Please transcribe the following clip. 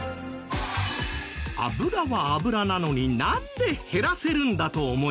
油は油なのになんで減らせるんだと思いますか？